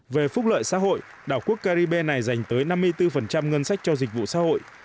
về phúc lợi xã hội đảo quốc caribe này dành tới năm mươi bốn ngân sách cho dịch vụ xã hội